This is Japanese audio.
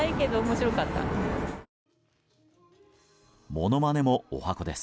ものまねも十八番です。